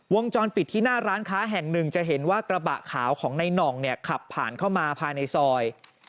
วงจรปิดที่หน้าร้านค้าแห่งหนึ่งจะเห็นว่ากระบะขาวของในน่องเนี่ยขับผ่านเข้ามาภายในซอย